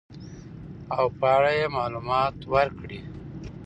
او په اړه يې معلومات ورکړي .